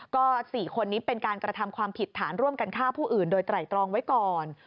ก็๔คนนี้เป็นการกระทำความผิดฐานร่วมกันฆ่าผู้อื่นโดยไตรตรองไว้ก่อน